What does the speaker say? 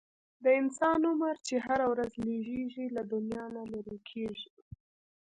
د انسان عمر چې هره ورځ لږیږي، له دنیا نه لیري کیږي